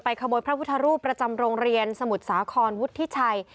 ขโมยพระพุทธรูปประจำโรงเรียนสมุทรสาครวุฒิชัย